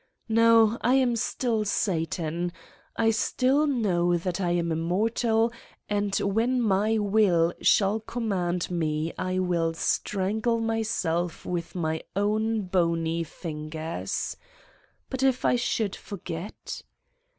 ... No, I am still Satan! I still know that I am immortal and when my will shall command me I will strangle myself with my own bony fingers. But if I should forget?